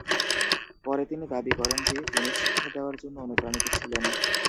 পরে তিনি দাবি করেন যে, তিনি "শিক্ষা দেওয়ার জন্য অনুপ্রাণিত" ছিলেন।